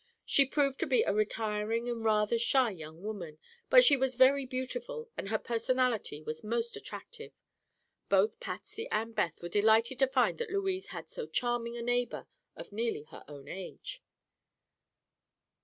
She proved to be a retiring and rather shy young woman, but she was very beautiful and her personality was most attractive. Both Patsy and Beth were delighted to find that Louise had so charming a neighbor, of nearly her own age.